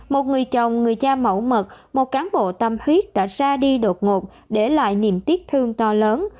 một người chồng người cha mẫu mực một cán bộ tâm huyết đã ra đi đột ngột để lại niềm tiếc thương to lớn